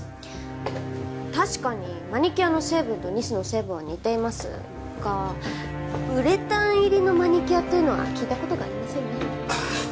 確かにマニキュアの成分とニスの成分は似ていますがウレタン入りのマニキュアっていうのは聞いた事がありませんね。